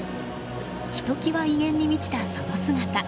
ひと際、威厳に満ちたその姿。